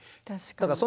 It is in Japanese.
確かに。